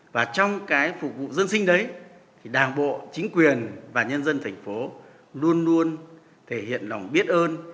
và trong cái phục vụ dân sinh đấy thì đảng bộ chính quyền và nhân dân thành phố luôn luôn thể hiện lòng biết ơn